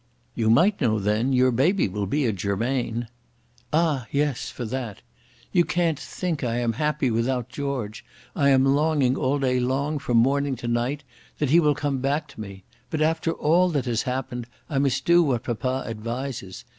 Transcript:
"You might know, then. Your baby will be a Germain." "Ah, yes, for that! You can't think I am happy without George. I am longing all day long, from morning to night, that he will come back to me. But after all that has happened, I must do what papa advises.